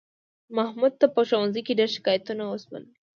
محمود ته په ښوونځي کې ډېر شکایتونه وشول